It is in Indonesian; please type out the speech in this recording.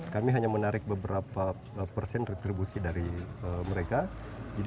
kami hanya menarik beberapa persen retribusi dari mereka